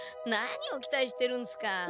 何を期待してるんすか？